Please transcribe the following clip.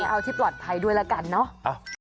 เอาที่ปลอดภัยด้วยละกันเนอะ